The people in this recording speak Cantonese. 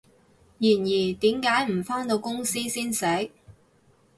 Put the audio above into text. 然而，點解唔返到公司先食？